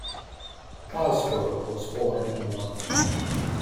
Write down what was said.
Fosbroke was born in London.